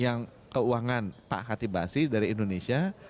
yang keuangan pak khatib basi dari indonesia